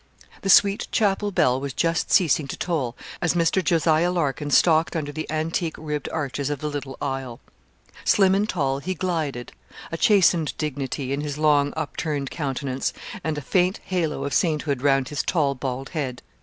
The sweet chapel bell was just ceasing to toll as Mr. Jos. Larkin stalked under the antique ribbed arches of the little aisle. Slim and tall, he glided, a chastened dignity in his long upturned countenance, and a faint halo of saint hood round his tall bald head.